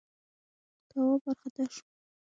تواب وارخطا شو: